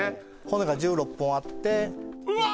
骨が１６本あってうわ